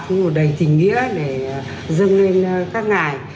cũng đầy tình nghĩa để dâng lên các ngày